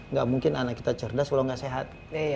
nggak mungkin anak kita cerdas kalau nggak sehat